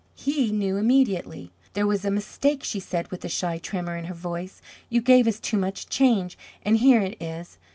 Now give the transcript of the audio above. He knew immediately. "There was a mistake," she said, with a shy tremor in her voice. "You gave us too much change and here it is."